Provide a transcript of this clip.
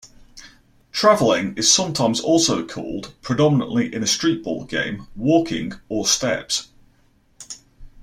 Traveling is sometimes also called, predominantly in a streetball game, "walking" or "steps.